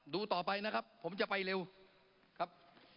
ดูต่อไปนะครับผมจะไปเร็วครับ